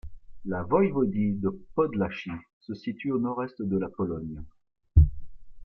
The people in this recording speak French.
La voïvodie de Podlachie se situe au nord-est de la Pologne.